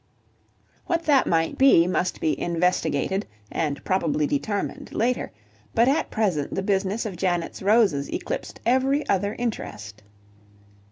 What that might be must be investigated (and probably determined) later, but at present the business of Janet's roses eclipsed every other interest.